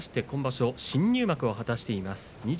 今場所、新入幕を果たしています。